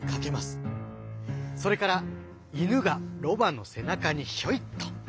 それから犬がロバの背中にひょいっと。